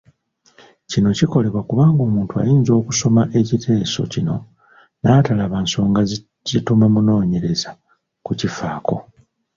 Kino kikolebwa kubanga omuntu ayinza okusoma ekiteeso kino n'atalaba nsonga zituma munoonyereza kukifaako.